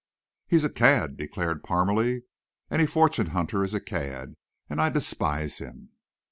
"He's a cad," declared Parmalee; "any fortune hunter is a cad, and I despise him."